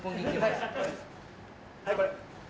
はいこれ。